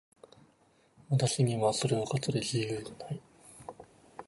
私にはそれを語る自由がない。